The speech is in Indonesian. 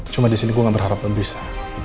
cuma disini gue gak berharap lo bisa